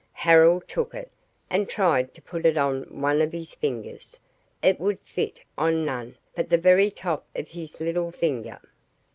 Harold took it, and tried to put it on one of his fingers. It would fit on none but the very top of his little finger.